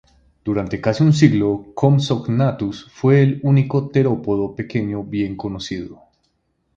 Durante casi un siglo, "Compsognathus" fue el único terópodo pequeño bien conocido.